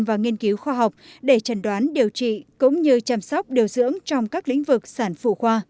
và nghiên cứu khoa học để trần đoán điều trị cũng như chăm sóc điều dưỡng trong các lĩnh vực sản phụ khoa